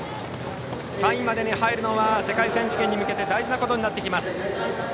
３位までに入るのは世界選手権に向けて大事なことになってきます。